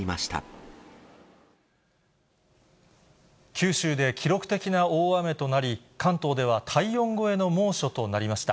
九州で記録的な大雨となり、関東では体温超えの猛暑となりました。